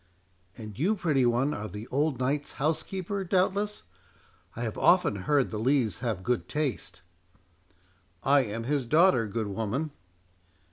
"And you, pretty one, are the old knight's house keeper, doubtless? I have often heard the Lees have good taste." "I am his daughter, good woman."